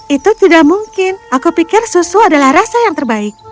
itu tidak mungkin aku pikir susu adalah rasa yang terbaik